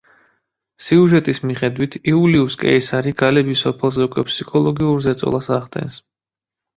სიუჟეტის მიხედვით, იულიუს კეისარი გალების სოფელზე უკვე ფსიქოლოგიურ ზეწოლას ახდენს.